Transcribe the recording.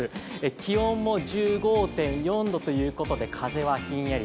気温も１５．４度ということで風はひんやり